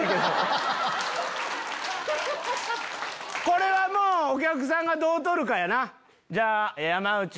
これはもうお客さんがどう取るかやな。